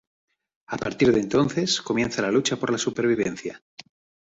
A partir de entonces comienza la lucha por la supervivencia.